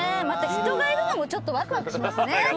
また人がいるのもちょっとワクワクしますね。